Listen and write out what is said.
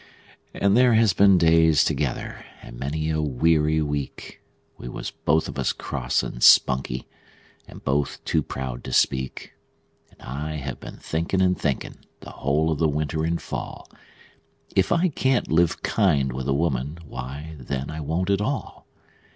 And there has been days together and many a weary week We was both of us cross and spunky, and both too proud to speak; And I have been thinkin' and thinkin', the whole of the winter and fall, If I can't live kind with a woman, why, then, I won't at all.